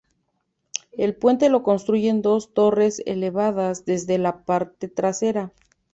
El puente lo constituyen dos torres elevadas desde la parte trasera.